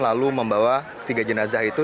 lalu membawa tiga jenazah itu